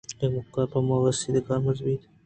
اے کُمکّار گالے پہ "ما" ءِ واست ءَ کارمرز بیت ۔